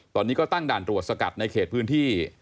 ตอนนี้ก็ตั้งด่านตรวจสกัดในเขตพื้นที่